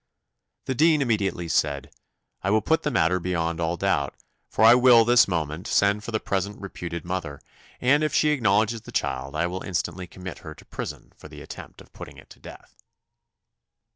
The dean immediately said, "I will put the matter beyond all doubt; for I will this moment send for the present reputed mother; and if she acknowledges the child, I will instantly commit her to prison for the attempt of putting it to death."